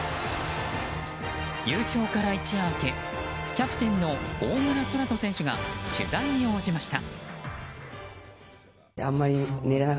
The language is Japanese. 優勝から一夜明けキャプテンの大村昊澄選手が取材に応じました。